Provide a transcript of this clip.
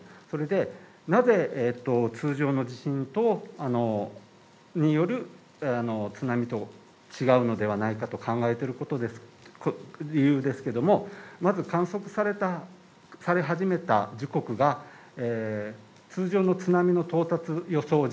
それでなぜ通常の地震による津波と違うのではないかと考えている理由ですけど、まず観測され始めた時刻が通常の津波の到達予想